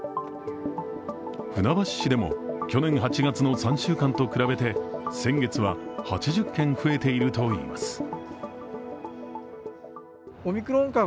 船橋市でも去年８月の３週間と比べて先月は８０件増えているといいます。